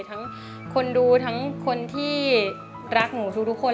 ทั้งคนดูทั้งคนที่รักหนูทุกคน